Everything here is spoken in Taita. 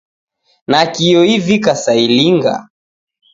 Nakio ivika saa ilinga